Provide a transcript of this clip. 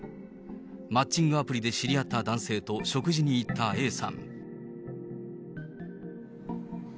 マッチングアプリで知り合った男性と食事に行ったＡさん。